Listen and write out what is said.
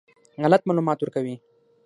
غلط معلومات ورکوي.